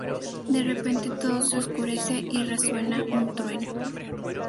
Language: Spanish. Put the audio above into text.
De repente todo se oscurece y resuena un trueno.